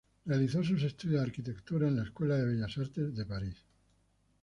Realizó sus estudios de arquitectura en la Escuela de Bellas Artes de París.